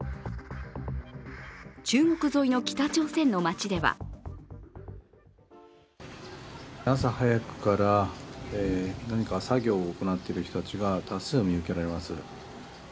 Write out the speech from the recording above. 中国沿いの北朝鮮の街では朝早くから何か作業を行っている人たちが多数、見受けられます。